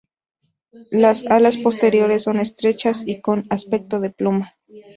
Las alas posteriores son estrechas y con aspecto de pluma.